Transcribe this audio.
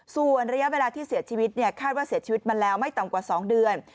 ส่วนระยะเวลาที่เสียชีวิตคาดว่าเสียชีวิตมาแล้วไม่ต่ำกว่า๒เดือน